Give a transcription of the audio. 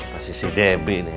kasih si debbie nih